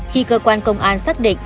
khi cơ quan công an xác định